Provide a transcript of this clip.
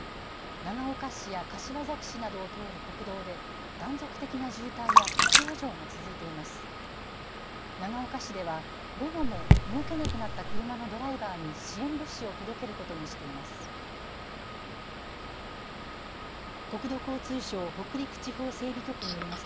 長岡市では午後も動けなくなった車のドライバーに支援物資を届けることにしています。